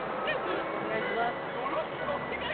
よろしくおねがいしますじゃない！